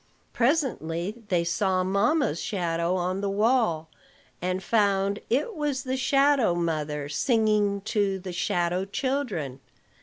Presently they saw mamma's shadow on the wall, and found it was the shadow mother singing to the shadow children.